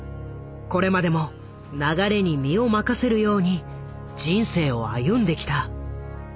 これまでも流れに身を任せるように人生を歩んできた。